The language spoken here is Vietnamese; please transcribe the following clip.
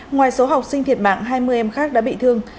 ngoài số học sinh thiệt mạng hai mươi em khác đã bị thương